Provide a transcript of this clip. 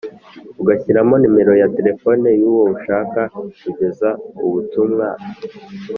ugashyiramo nimero ya telefoni yuwo ushaka kugezaho ubutumwa